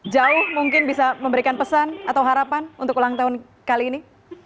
jauh mungkin bisa memberikan pesan atau harapan untuk ulang tahun kali ini